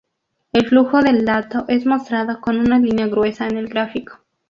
El flujo del dato es mostrado con una línea gruesa en el gráfico.